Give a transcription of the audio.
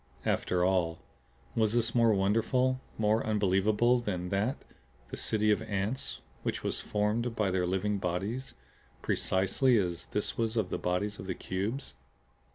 After all, was this more wonderful, more unbelievable than that the city of ants which was formed by their living bodies precisely as this was of the bodies of the Cubes?